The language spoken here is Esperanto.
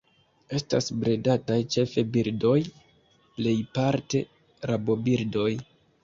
Estas bredataj ĉefe birdoj, plejparte rabobirdoj.